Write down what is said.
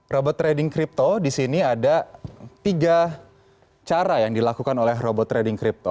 robot trading crypto di sini ada tiga cara yang dilakukan oleh robot trading crypto